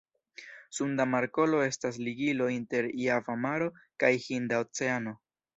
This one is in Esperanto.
Sunda Markolo estas ligilo inter Java Maro kaj Hinda Oceano.